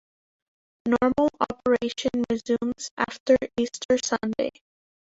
Normal operation resumes after Easter Sunday.